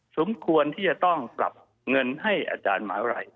สมควรที่จะต้องกลับเงินให้อาจารย์มหาวไล